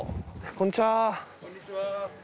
こんにちは。